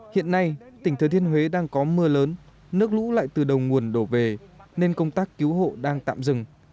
hiện nay tỉnh thừa thiên huế đang có mưa lớn nước lũ lại từ đầu nguồn đổ về nên công tác cứu hộ đang tạm dừng